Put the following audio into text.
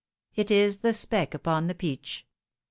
It is the speck upon the peach.